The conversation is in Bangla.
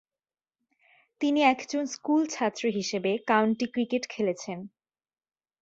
তিনি একজন স্কুল ছাত্র হিসেবে কাউন্টি ক্রিকেট খেলেছেন।